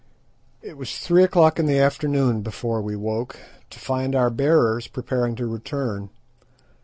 It was three o'clock in the afternoon before we woke, to find our bearers preparing to return.